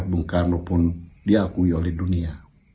bung karno pun diakui oleh dunia